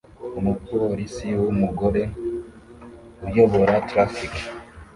Umupolisi wumugore uyobora traffic